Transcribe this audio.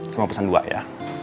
saya mau pesen dua ya